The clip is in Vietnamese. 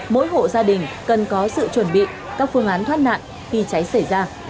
mỗi hộ gia đình cần có sự chuẩn bị các phương án thoát nạn khi cháy xảy ra